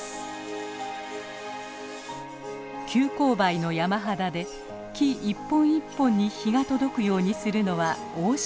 急勾配の山肌で木１本１本に日が届くようにするのは大仕事。